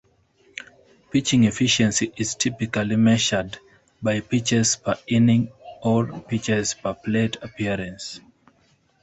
Pitching efficiency is typically measured by "pitches per inning" or "pitches per plate appearance".